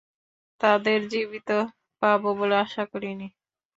তাদের জীবিত পাবো বলে আশা করিনি।